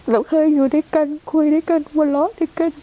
เราเคยอยู่ด้วยกันคุยด้วยกันหัวเราะด้วยกัน